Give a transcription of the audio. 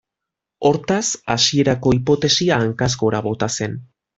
Hortaz, hasierako hipotesia hankaz gora bota zen.